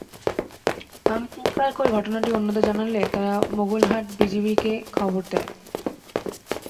আমি চিৎকার করে ঘটনাটি অন্যদের জানালে তারা মোগলহাট বিজিবিকে খবর দেয়।